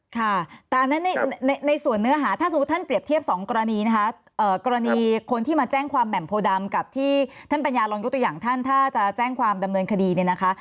ค่ะแต่อันนั้นในส่วนเนื้อหาถ้าสมมุติท่านเปรียบเทียบ๒กรณีนะคะกรณีคนที่มาแจ้งความแหม่มโพดำกับที่ท่านปัญญาลองยกตัวอย่างท่านถ้าจะแจ้งความดำเนินคดีเนี่ยนะคะ